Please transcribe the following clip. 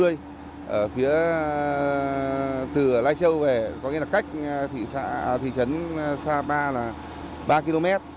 ở phía từ lai châu về có nghĩa là cách thị trấn sa ba là ba km